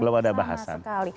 belum ada bahasan